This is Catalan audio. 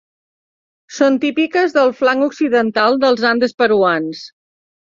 Són típiques del flanc occidental dels Andes peruans.